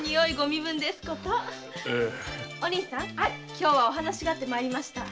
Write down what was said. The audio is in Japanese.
今日はお話があって参りました。